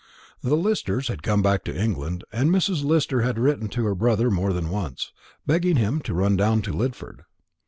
The Listers had come back to England, and Mrs. Lister had written to her brother more than once, begging him to run down to Lidford.